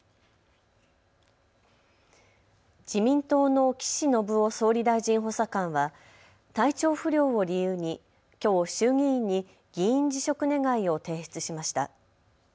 自民党の岸信夫総理大臣補佐官は体調不良を理由にきょう衆議院に議員辞職願を提出しました。